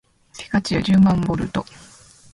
ピカチュウじゅうまんボルト